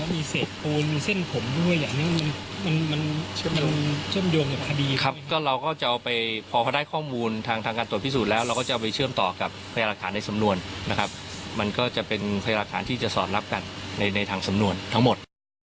มีเศษปูนมีเส้นผมด้วยอย่างหนึ่งมันมันเชื่อมโยงกับคดีครับก็เราก็จะเอาไปพอพอได้ข้อมูลทางการตรวจพิสูจน์แล้วเราก็จะเอาไปเชื่อมต่อกับพยายามหลักฐานในสำนวนนะครับมันก็จะเป็นพยายามที่จะสอดรับกันในทางสำนวนทั้งหมด